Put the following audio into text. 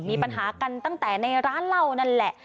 มีปัญหากันตั้งแต่ในร้านเหล้านั่นแหละ